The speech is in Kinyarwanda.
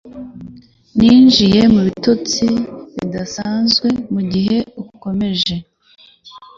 Ninjiye mu bitotsi bidasanzwe mugihe ukomeje;